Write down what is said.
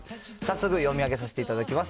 早速読み上げさせていただきます。